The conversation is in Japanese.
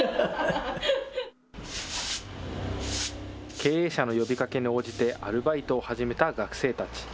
経営者の呼びかけに応じて、アルバイトを始めた学生たち。